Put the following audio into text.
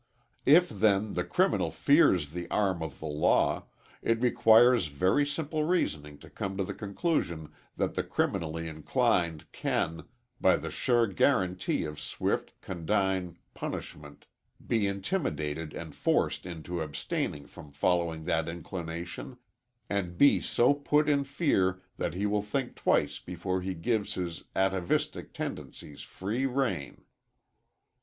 If, then, the criminal fears the arm of the law, it requires very simple reasoning to come to the conclusion that the criminally inclined can, by the sure guaranty of swift, condign punishment be intimidated and forced into abstaining from following that inclination, and be so put in fear that he will think twice before he gives his atavistic tendencies free rein.